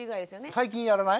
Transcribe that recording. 最近やらない？